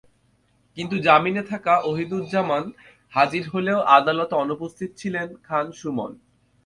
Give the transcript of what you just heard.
কিন্তু জামিনে থাকা ওহিদুর জামান হাজির হলেও আদালতে অনুপস্থিত ছিলেন খান সুমন।